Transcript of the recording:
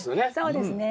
そうですね。